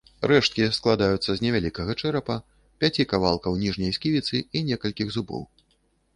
Рэшткі складаюцца з невялікага чэрапа, пяці кавалкаў ніжняй сківіцы, і некалькіх зубоў.